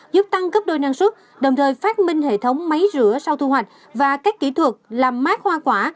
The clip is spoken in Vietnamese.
giúp tăng cấp đôi năng suất đồng thời phát minh hệ thống máy rửa sau thu hoạch và các kỹ thuật làm mát hoa quả